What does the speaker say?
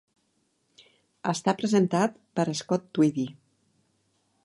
Està presentat per Scott Tweedie.